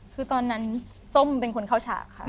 คือตอนนั้นส้มเป็นคนเข้าฉากค่ะ